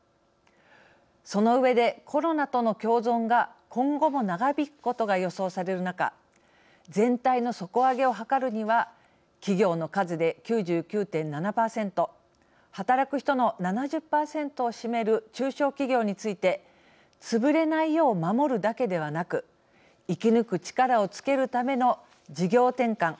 その上でコロナとの共存が今後も長引くことが予想される中全体の底上げを図るには企業の数で９９．７％働く人の７０％を占める中小企業についてつぶれないよう守るだけではなく生き抜く力をつけるための事業転換。